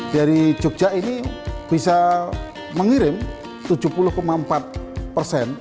dari jogja ini bisa mengirim tujuh puluh empat persen